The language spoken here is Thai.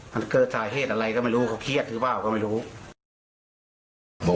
มันเกิดสาเหตุอะไรก็ไม่รู้เขาเครียดหรือเปล่าก็ไม่รู้